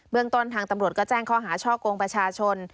เมืองต้นทางตำรวจก็แจ้งข้อหาช่อกงประชาชน